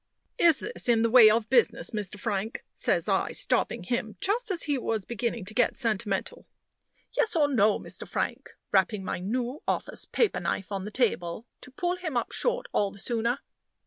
"Is this in the way of business, Mr. Frank?" says I, stopping him just as he was beginning to get sentimental. "Yes or no, Mr. Frank?" rapping my new office paper knife on the table, to pull him up short all the sooner.